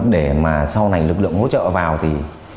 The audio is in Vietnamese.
để mà sau này lực lượng hỗ trợ vào thì